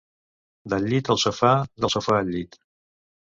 Del llit al sofà, del sofà al llit.